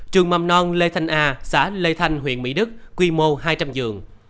trường mầm non lê thanh a xã lê thanh huyện mỹ đức quy mô hai trăm linh giường